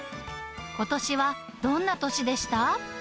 ことしはどんな年でした？